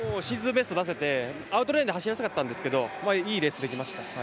ベスト出せて、アウトレーンで走りやすかったんですけど、いいレースできました。